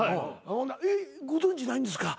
ほなえっご存じないんですか？